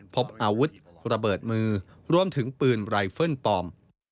พบอาวุธระเบิดมือรวมถึงปืนไรเฟิลปลอม